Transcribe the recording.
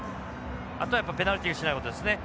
あとはやっぱペナルティをしないことですね。